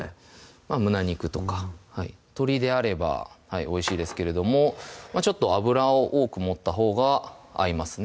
胸肉とか鶏であればおいしいですけれどもちょっと脂を多く持ったほうが合いますね